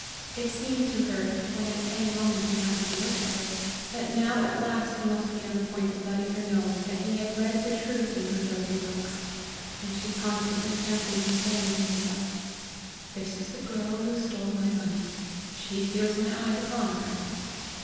It seemed to her, when at any moment he happened to look at her, that now at last he must be on the point of letting her know that he had read the truth in her guilty looks, and she constantly fancied him saying to himself, "That is the girl who stole my money; she feels my eyes upon her."